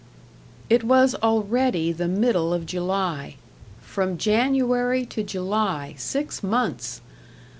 It was already the middle of July. From January to July six months!